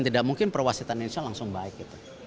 tidak mungkin perwasitan indonesia langsung baik